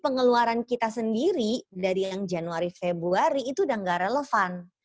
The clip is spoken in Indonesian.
pengeluaran kita sendiri dari yang januari februari itu udah gak relevan